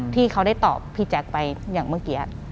ที่เขาได้ตอบพี่แจ๊คไปอย่างเมื่อกี้